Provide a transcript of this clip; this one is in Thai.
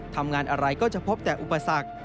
ทำงานอะไรก็จะพบแต่อุปสรรค